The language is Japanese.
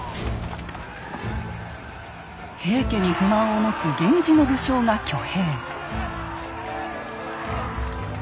平家に不満を持つ源氏の武将が挙兵。